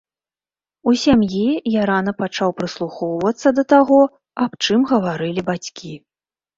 У сям'і я рана пачаў прыслухоўвацца да таго, аб чым гаварылі бацькі.